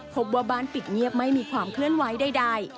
พบว่าบ้านปิดเงียบไม่มีความเคลื่อนไหวใด